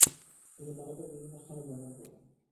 তিনি ভারতের বিভিন্ন স্থানে ভ্রমণ করেন।